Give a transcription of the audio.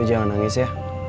lo jangan nangis ya